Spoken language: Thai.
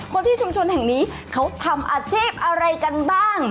คนที่ชุมชนแห่งนี้เขาทำอาชีพอะไรกันบ้าง